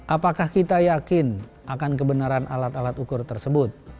apakah kita yakin akan kebenaran alat alat ukur tersebut